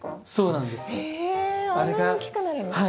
あんなに大きくなるんですか？